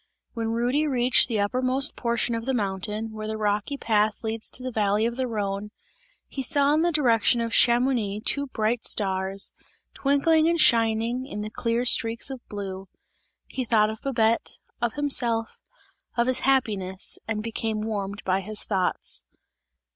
When Rudy reached the uppermost portion of the mountain, where the rocky path leads to the valley of the Rhone, he saw in the direction of Chamouni, two bright stars, twinkling and shining in the clear streaks of blue; he thought of Babette, of himself, of his happiness and became warmed by his thoughts.